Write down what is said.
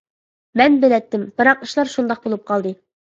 -مەن بىلەتتىم، بىراق ئىشلار شۇنداق بولۇپ قالدى.